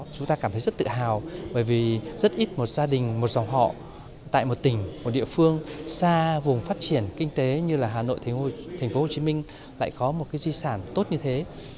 chúng ta cảm thấy rất tự hào bởi vì rất ít một gia đình một dòng họ tại một tỉnh một địa phương xa vùng phát triển kinh tế như hà nội tp hcm lại có một di sản tốt như thế